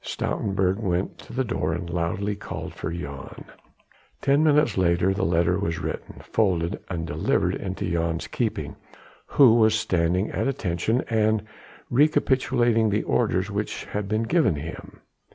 Stoutenburg went to the door and loudly called for Jan. Ten minutes later the letter was written, folded and delivered into Jan's keeping, who was standing at attention and recapitulating the orders which had been given him.